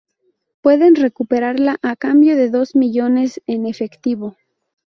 Puede recuperarla a cambio de dos millones en efectivo"".